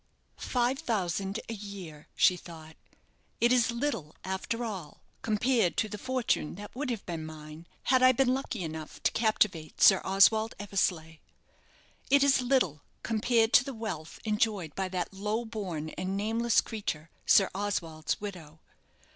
"Five thousand a year," she thought; "it is little, after all, compared to the fortune that would have been mine had I been lucky enough to captivate Sir Oswald Eversleigh. It is little compared to the wealth enjoyed by that low born and nameless creature, Sir Oswald's widow.